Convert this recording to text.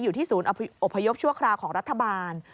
อยู่ที่ศูนย์อบพยพชั่วคราวของรัฐบาล